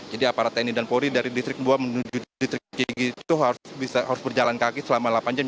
jadi aparat tni dan polri dari distrik dua menuju distrik tiga itu harus berjalan kaki selama delapan jam